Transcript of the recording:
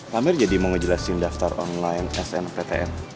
kamer jadi mau ngejelasin daftar online smptn